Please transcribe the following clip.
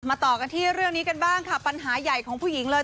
ต่อกันที่เรื่องนี้กันบ้างค่ะปัญหาใหญ่ของผู้หญิงเลย